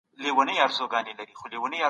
خپل معلومات له معتبرو سرچینو څخه راټول کړئ.